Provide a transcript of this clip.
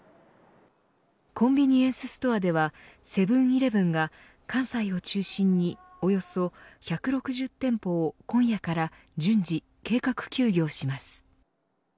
コンビニエンスストアではセブン‐イレブンが関西を中心におよそ１６０店舗を今夜から順次、計画休業します。